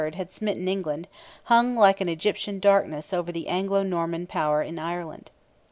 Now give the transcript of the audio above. had smitten England, hung like an Egyptian darkness over the Anglo Norman power in Ireland.